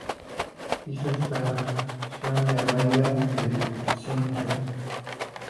Hizo estación en la Abadía del Císter.